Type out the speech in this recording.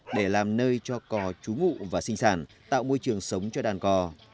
để làm nơi cho cò trú ngụ và sinh sản tạo môi trường sống cho đàn cò